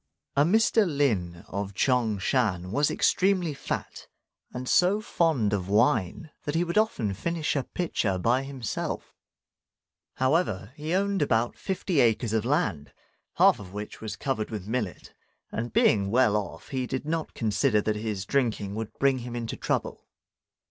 A Mr. Lin of Ch'ang shan was extremely fat, and so fond of wine that he would often finish a pitcher by himself. However, he owned about fifty acres of land, half of which was covered with millet, and being well off, he did not consider that his drinking would bring him into trouble.